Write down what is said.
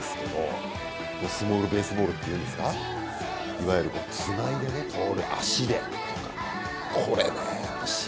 いわゆるつないで取る、足で。